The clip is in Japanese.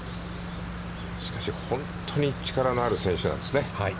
しかし、本当に力のある選手なんですね。